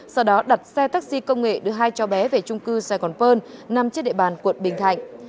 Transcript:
sau đó đặt xe taxi công nghệ đưa hai cho bé về trung cư sài gòn pơn nằm trên địa bàn quận bình thạnh